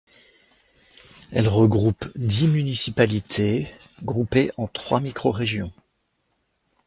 Elle regroupe dix municipalités groupées en trois microrégions.